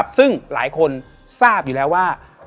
ซึ่งหลายคนทราบอยู่แล้วว่า